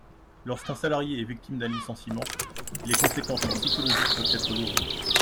Lorsqu’un salarié est victime d’un licenciement, les conséquences psychologiques peuvent être lourdes.